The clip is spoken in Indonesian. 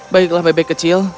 baiklah bebek kecil